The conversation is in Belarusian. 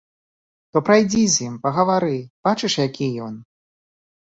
То прайдзі з ім, пагавары, бачыш, які ён?